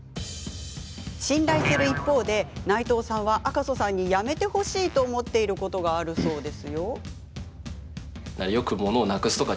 信頼する一方で内藤さんは赤楚さんに、やめてほしいと思っていることがあります。